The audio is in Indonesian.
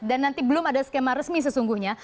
dan nanti belum ada skema resmi sesungguhnya